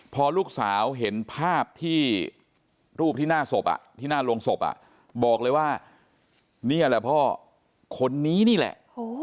พอลูกสาวเห็นภาพที่รูปที่หน้าศพที่หน้าโรงศพบอกเลยว่านี่แหละพ่อคนนี้นี่แหละ